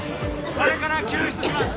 これから救出します